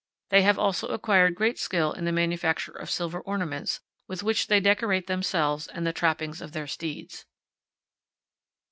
They have also acquired great skill in the manufacture of silver ornaments, with which they decorate themselves and the trappings of their steeds.